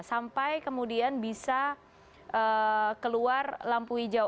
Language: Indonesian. sampai kemudian bisa keluar lampu hijau